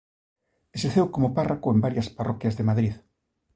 Exerceu como párroco en varias parroquias de Madrid.